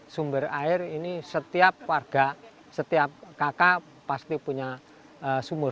sumber air ini setiap warga setiap kakak pasti punya sumur